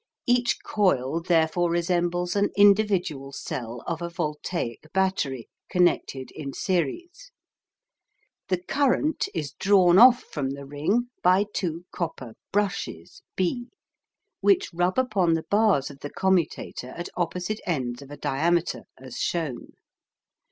Each coil therefore resembles an individual cell of a voltaic battery, connected in series. The current is drawn off from the ring by two copper "brushes" b, be which rub upon the bars of the commutator at opposite ends of a diameter, as shown.